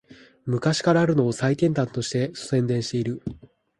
昔からあるのを最先端として宣伝してる